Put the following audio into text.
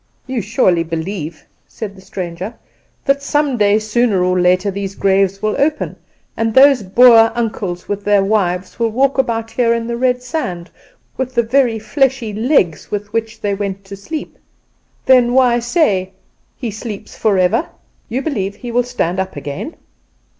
"You surely believe," said the stranger, "that some day, sooner or later, these graves will open, and those Boer uncles with their wives walk about here in the red sand, with the very fleshly legs with which they went to sleep? Then why say, 'He sleeps forever?' You believe he will stand up again?"